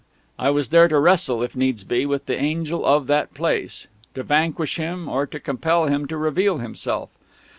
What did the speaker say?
I was there to wrestle, if needs be, with the Angel of that Place, to vanquish him or to compel him to reveal himself.